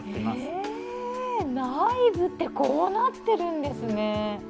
へえ、内部ってこうなってるんですね。